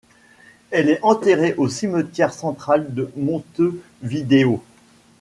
Elle est enterrée au cimetière central de Montevideo.